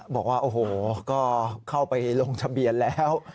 บอกว่าโอ้โหก็เข้าไปลงทะเบียนแล้ว